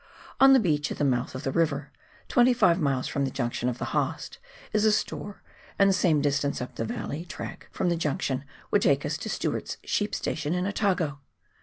On the beach at the mouth of the river — 25 miles from the junction of the Haast — is a store, and the same distance up the valley track from the junction would take us to Stewart's sheep station in Otago.